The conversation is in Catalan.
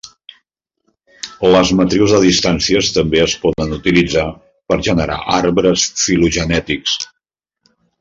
Les matrius de distàncies també es poden utilitzar per generar arbres filogenètics.